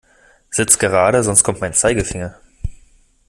Sitz gerade, sonst kommt mein Zeigefinger.